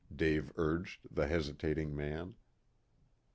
Dave urged the hesitating man.